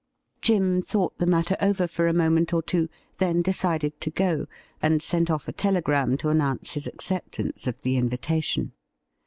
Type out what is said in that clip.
Jim thought the matter over for a moment or two, then decided to go, and sent ofl' a telegram to announce his acceptance of the invitation.